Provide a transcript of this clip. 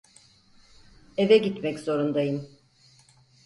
Eve gitmek zorundayım.